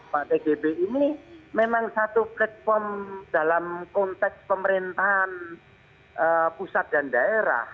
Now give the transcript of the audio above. pak tgb ini memang satu platform dalam konteks pemerintahan pusat dan daerah